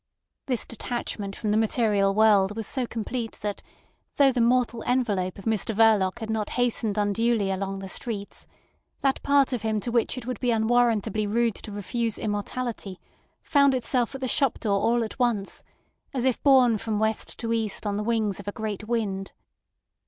This detachment from the material world was so complete that, though the mortal envelope of Mr Verloc had not hastened unduly along the streets, that part of him to which it would be unwarrantably rude to refuse immortality, found itself at the shop door all at once, as if borne from west to east on the wings of a great wind.